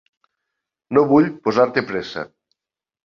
No vull posar-te pressa.